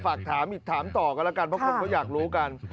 ฝากถามเราก็จะถามก็อยากรู้กัน